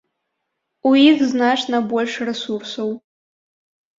У іх значна больш рэсурсаў.